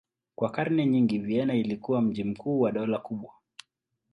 Kwa karne nyingi Vienna ilikuwa mji mkuu wa dola kubwa.